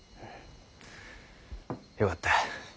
よかった。